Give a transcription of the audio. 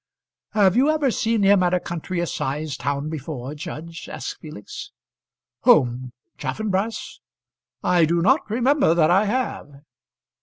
"Have you ever seen him at a country assize town before, judge?" asked Felix. "Whom? Chaffanbrass? I do not remember that I have."